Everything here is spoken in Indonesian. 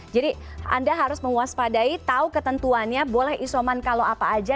jadi anda harus menguas padai tahu ketentuannya boleh isoman kalau apa aja